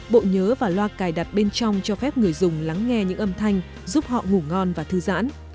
bộ nhớ và loa cài đặt bên trong cho phép người dùng lắng nghe những âm thanh giúp họ ngủ ngon và thư giãn